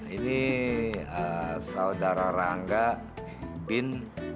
ini saudara rangga bin